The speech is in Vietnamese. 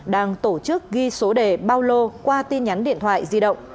đang tổ chức ghi số đề bao lô qua tin nhắn điện thoại di động